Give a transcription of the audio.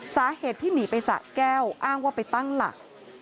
สาเหตุที่หนีไปสะแก้วอ้างว่าไปตั้งหลัก